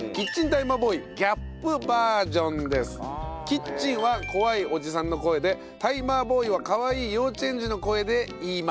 「キッチン」は怖いおじさんの声で「タイマーボーイ」はかわいい幼稚園児の声で言います。